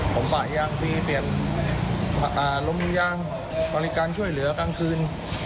ผมปะยางฟรีเสียบล้มอยู่ยางบริการช่วยเหลือกลางคืน